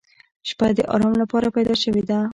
• شپه د آرام لپاره پیدا شوې ده.